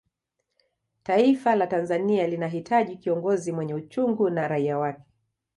taifa la tanzania linahitaji kiongozi mwenye uchungu na raia wake